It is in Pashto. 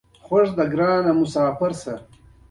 پته ورته ولګېده